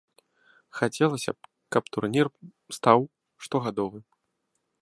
Хацелася б, каб турнір стаў штогадовым.